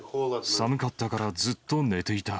寒かったからずっと寝ていた。